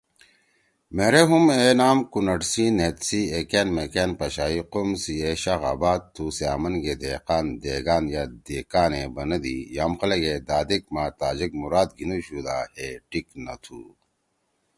مھیرے ہُم اے نام کونڑ سی نھد سی ایکأن میکأن پشائی قوم سی اے شاخ آباد تُھو سے آمنگے دہقان، دیگان یا دیکان ئے بنَدی۔ یام خلَگے دادیک ما تاجک مراد گھیِنتُو دا ہے ٹیِک نہ تُھو۔